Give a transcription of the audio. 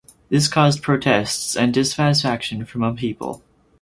This caused protests and dissatisfaction from people.